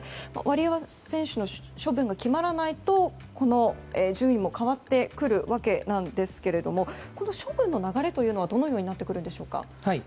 ワリエワ選手の処分が決まらないと順位も変わってくるわけなんですけどもこの処分の流れというのはどうなってくるのでしょうか。